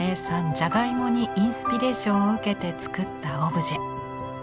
じゃがいもにインスピレーションを受けて作ったオブジェ。